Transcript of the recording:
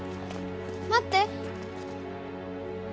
待って。